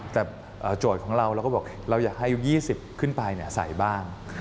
แต่โจทย์ของเราเราก็บอกเราอยากให้อายุ๒๐ขึ้นไปใส่บ้าง